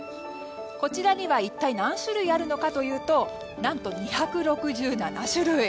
こちらには一体、何種類あるのかというと何と２６７種類。